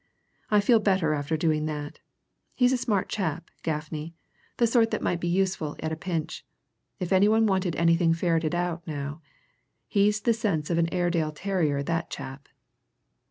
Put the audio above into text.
"I feel better after doing that. He's a smart chap, Gaffney the sort that might be useful at a pinch. If any one wanted anything ferreted out, now! he's the sense of an Airedale terrier, that chap!"